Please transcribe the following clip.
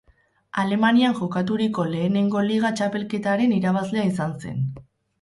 Alemanian jokaturiko lehenengo Liga txapelketaren irabazlea izan zen.